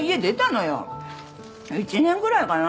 １年ぐらいかな？